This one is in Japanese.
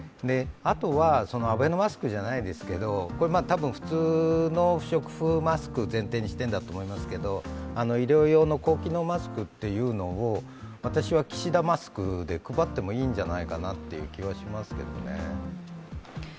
あとは、アベノマスクじゃないですけど、これは普通の不織布マスクを前提にしているんだと思いますけど、医療用の高機能マスクっていうのを私はキシダマスクで配ってもいいんじゃないかなという気はしますけどね。